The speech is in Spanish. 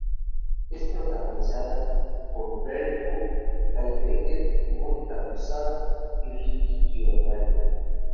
Es protagonizada por Brent Huff, Kai Baker, Mónica Gonzaga y Rocky Giordani.